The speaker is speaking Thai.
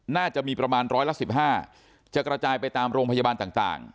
น่าจะมีประมาณร้อยละ๑๕จะกระจายไปตามโรงพยาบาลต่าง